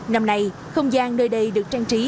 năm nay không gian nơi đây được trang trí